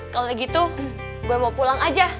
kalau gitu gue mau pulang aja